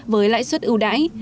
với lãi suất ưu đãi